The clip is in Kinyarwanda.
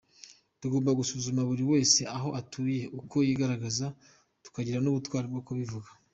Tugomba gusuzuma buri wese aho atuye uko yigaragaza tukagira n’ubutwari bwo kubivuga.